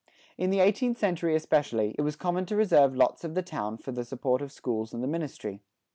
In the eighteenth century especially, it was common to reserve certain lots of the town for the support of schools and the ministry.